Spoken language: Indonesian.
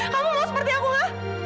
kamu mau seperti aku gak